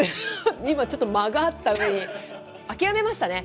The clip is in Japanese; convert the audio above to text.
今ちょっと間があったうえに、諦めましたね。